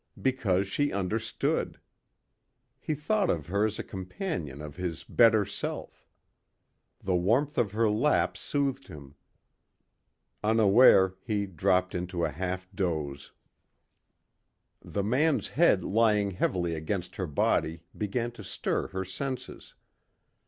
Because she understood. He thought of her as a companion of his better self. The warmth of her lap soothed him. Unaware, he dropped into a half doze. The man's head lying heavily against her body began to stir her senses.